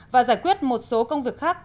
và giải quyết một số công việc khác